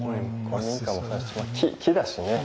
古民家もそうだしまあ木だしね。